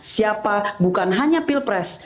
siapa bukan hanya pilpres